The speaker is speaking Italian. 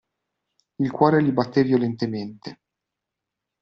Il cuore gli battè violentemente.